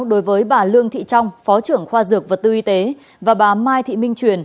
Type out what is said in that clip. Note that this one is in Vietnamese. đối với bà lương thị trong phó trưởng khoa dược vật tư y tế và bà mai thị minh truyền